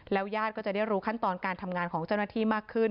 ญาติก็จะได้รู้ขั้นตอนการทำงานของเจ้าหน้าที่มากขึ้น